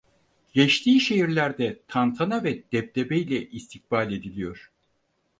Geçtiği şehirlerde tantana ve debdebe ile istikbal ediliyor.